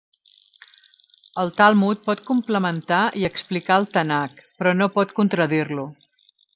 El Talmud pot complementar i explicar el Tanakh, però no pot contradir-lo.